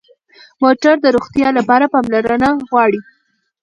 موټر د روغتیا لپاره پاملرنه غواړي.